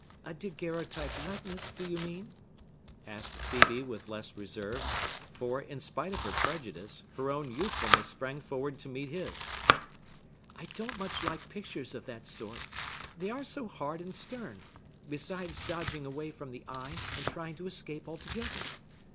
"A daguerreotype likeness, do you mean?" asked Phœbe with less reserve; for, in spite of prejudice, her own youthfulness sprang forward to meet his. "I don't much like pictures of that sort,—they are so hard and stern; besides dodging away from the eye, and trying to escape altogether.